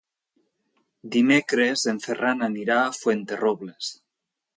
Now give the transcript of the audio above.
Dimecres en Ferran anirà a Fuenterrobles.